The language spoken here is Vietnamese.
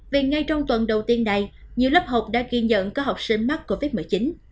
vì ngay trong tuần đầu tiên này nhiều lớp học đã ghi nhận có học sinh mắc covid một mươi chín